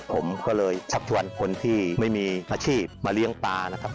ผมก็เลยชักชวนคนที่ไม่มีอาชีพมาเลี้ยงปลานะครับ